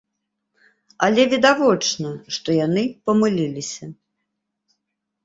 Але відавочна, што яны памыліліся.